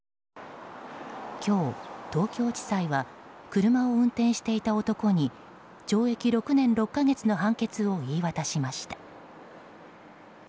今日、東京地裁は車を運転していた男に懲役６年６か月の判決を言い渡しました。